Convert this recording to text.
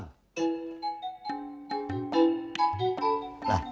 nggak aku udah pulang